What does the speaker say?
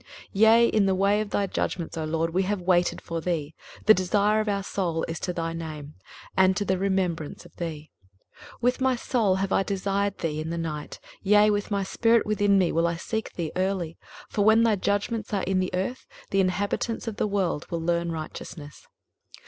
23:026:008 Yea, in the way of thy judgments, O LORD, have we waited for thee; the desire of our soul is to thy name, and to the remembrance of thee. 23:026:009 With my soul have I desired thee in the night; yea, with my spirit within me will I seek thee early: for when thy judgments are in the earth, the inhabitants of the world will learn righteousness.